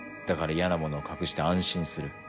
だから嫌なものを隠して安心する。